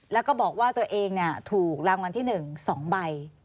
แล้วก็บอกว่าตัวเองถูกรางวัลที่๑๒ใบ